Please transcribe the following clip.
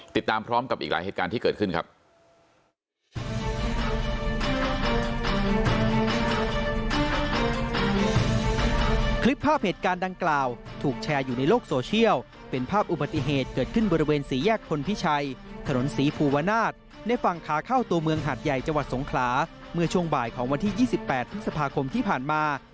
ติดตามพร้อมกับอีกหลายเหตุการณ์ที่เกิดขึ้นครับ